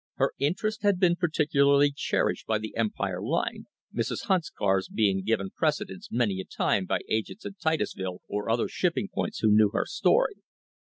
Her interests had been particularly cherished by the Empire Line, "Mrs. Hunt's cars" being given precedence many a time by agents at Titusville or other shipping points who knew her story.